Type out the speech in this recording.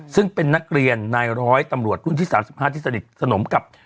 ซึ่งเป็นนักเรียนนายร้อยตำรวจรุ่นที่๓๕ที่สนิทสนมกับ